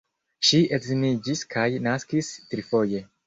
Ŝi edziniĝis kaj naskis trifoje.